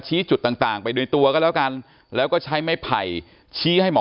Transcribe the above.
ชี้จุดต่างไปด้วยตัวก็แล้วกันแล้วก็ใช้ไม่ไผ่ชี้ให้หมอ